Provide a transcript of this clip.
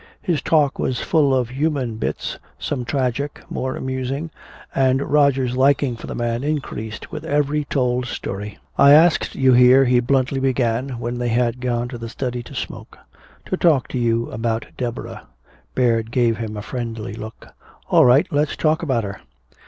His talk was full of human bits, some tragic, more amusing. And Roger's liking for the man increased with every story told. "I asked you here," he bluntly began, when they had gone to the study to smoke, "to talk to you about Deborah." Baird gave him a friendly look. "All right. Let's talk about her."